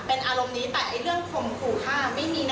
ซึ่งเราไปที่ความซื่ออยากจะเคลียร์